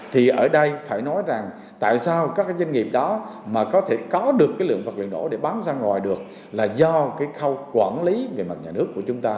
thì ở đây phải nói rằng tại sao các doanh nghiệp đó mà có thể có được cái lượng vật liệu nổ để bán ra ngoài được là do cái khâu quản lý về mặt nhà nước của chúng ta